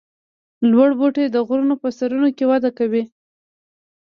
لوړ بوټي د غرونو په سرونو کې وده کوي